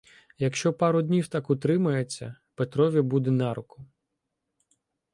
Якщо пару днів так утримається — Петрові буде на руку.